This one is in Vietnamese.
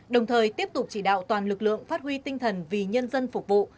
đồng thời tiếp tục chỉ đạo toàn lực lượng phát huy tinh thần vì nhân dân phục vụ